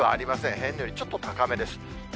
平年よりちょっと高めです。